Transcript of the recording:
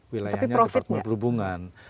wilayahnya departemen perhubungan